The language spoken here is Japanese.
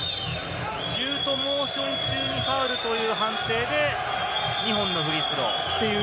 シュートモーション中にファウルという判定で２本のフリースローという。